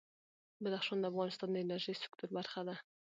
بدخشان د افغانستان د انرژۍ سکتور برخه ده.